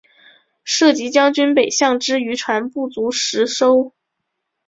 设籍将军北港之渔船不足十艘。